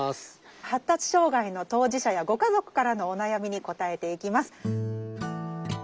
発達障害の当事者やご家族からのお悩みに答えていきます。